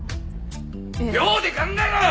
秒で考えろよ！